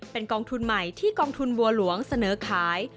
เป็นกองทุนใหม่ที่กองทุนบัวหลวงเสนอขาย